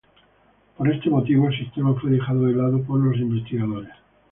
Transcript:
Por este motivo el sistema fue dejado de lado por los investigadores.